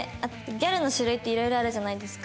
ギャルの種類っていろいろあるじゃないですか。